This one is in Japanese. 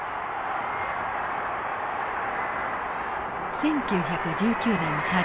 １９１９年春。